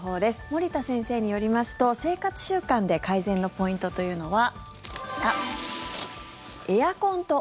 森田先生によりますと生活習慣で改善のポイントというのは。